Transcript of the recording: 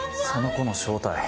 その子の正体